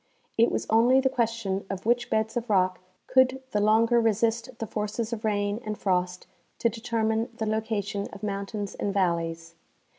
It was only the question of which beds of rock could the longer resist the forces of rain and frost to determine the location of mountains and valleys.